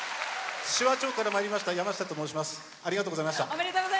紫波町からまいりましたやましたと申します。